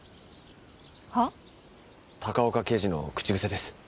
高岡刑事の口癖です。